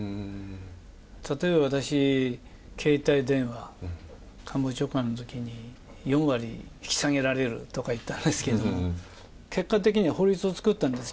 例えば私、携帯電話、官房長官のときに、４割引き下げられるとか言ったんですけれども、結果的には法律を作ったんです。